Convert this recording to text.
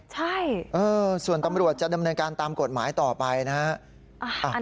ใช่ส่วนตำรวจจะดำเนินการตามกฎหมายต่อไปนะฮะ